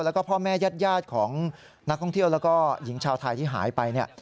แล้วก็พ่อแม่ญาติของนักท่องเที่ยวแล้วก็หญิงชาวไทยที่หายไปเนี่ย